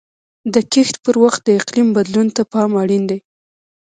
د کښت پر وخت د اقلیم بدلون ته پام اړین دی.